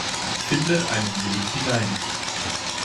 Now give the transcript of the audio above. Finde einen Weg hinein.